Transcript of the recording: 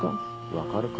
分かるか。